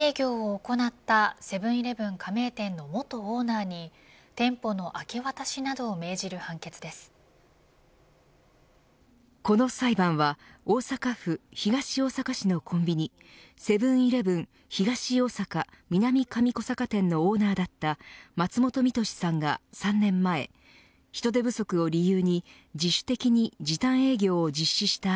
時短営業を行ったセブン‐イレブン加盟店の元オーナーに店舗の明け渡しなどをこの裁判は大阪府東大阪市のコンビニセブン‐イレブン東大阪南上小阪店のオーナーだった松本実敏さんが３年前人手不足を理由に自主的に時短営業を実施した